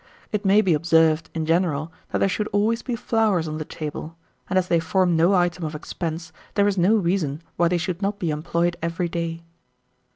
It may be observed, in general, that there should always be flowers on the table, and as they form no item of expense, there is no reason why they should not be employed every day.